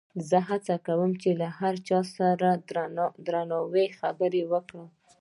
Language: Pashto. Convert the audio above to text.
زه هڅه کوم چې له هر چا سره په درناوي خبرې وکړم.